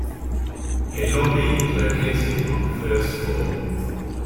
A lobby is located on the first floor.